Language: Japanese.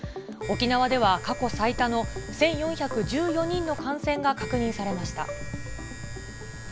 沖縄では過去最多の１４１４人の感染が確認されました。